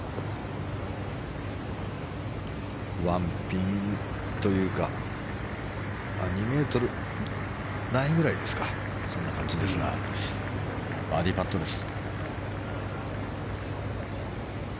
１ピンというか２ｍないぐらいですかそんな感じですがバーディーパットです。